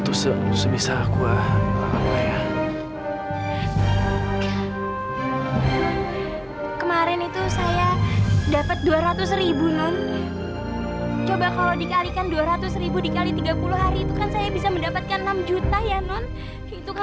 oh kebetulan mbak